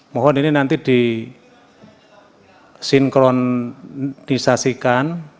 mohon ini nanti disinkronisasikan